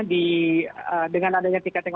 di dengan adanya tiket yang